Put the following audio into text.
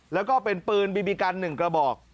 แล้วก็เป็นปืนบีบีกัน๑กระบอก